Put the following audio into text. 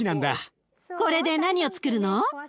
これで何をつくるの？